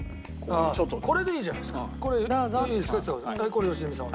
これ良純さん